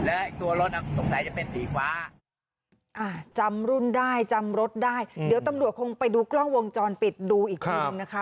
อ่าจำรุ่นได้จำรถได้เดี๋ยวตำรวจคงไปดูกล้องวงจรปิดดูอีกครั้งนะคะ